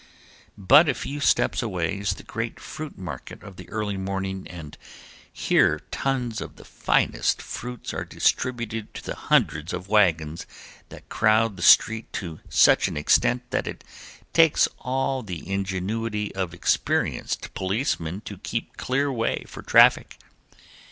But a few steps away is the great fruit market of the early morning and here tons of the finest fruits are distributed to the hundreds of wagons that crowd the street to such an extent that it takes all the ingenuity of experienced policemen to keep clearway for traffic.